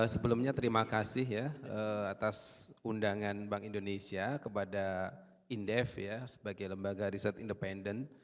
sebelumnya terima kasih ya atas undangan bank indonesia kepada indef ya sebagai lembaga riset independen